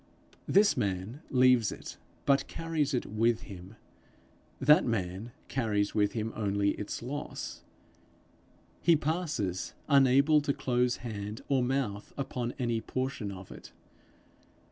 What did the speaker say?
This man leaves it, but carries it with him; that man carries with him only its loss. He passes, unable to close hand or mouth upon any portion of it.